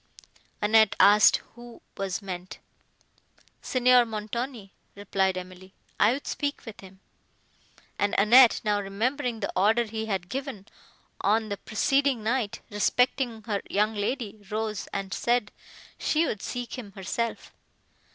Annette asked who was meant. "Signor Montoni," replied Emily. "I would speak with him;" and Annette, now remembering the order he had given, on the preceding night, respecting her young lady, rose, and said she would seek him herself.